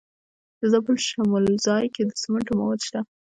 د زابل په شمولزای کې د سمنټو مواد شته.